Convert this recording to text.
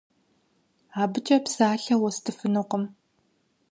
Абыкӏэ псалъэ уэстыфынукъым.